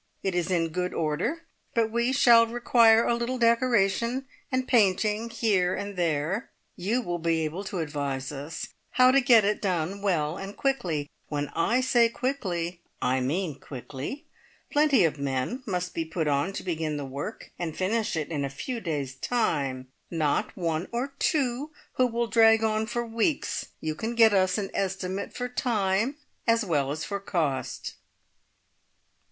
It is in good order, but we shall require a little decoration and painting here and there. You will be able to advise us how to get it done well and quickly. When I say quickly I mean quickly! Plenty of men must be put on to begin the work and finish it in a few days' time, not one or two who will drag on for weeks. You can get us an estimate for time, as well as for cost."